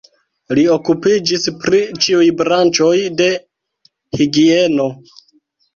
Li okupiĝis pri ĉiuj branĉoj de higieno.